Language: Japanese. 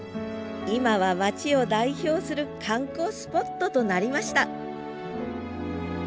今は町を代表する観光スポットとなりました